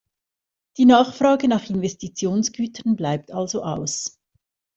Die Nachfrage nach Investitionsgütern bleibt also aus.